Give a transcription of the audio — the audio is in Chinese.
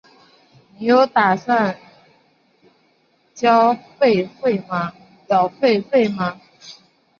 你有打算缴会费吗？